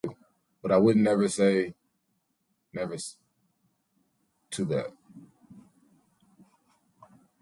But I wouldn't say never to that.